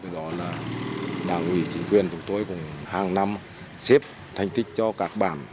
đó là đảng ủy chính quyền của tôi cùng hàng năm xếp thành tích cho các bản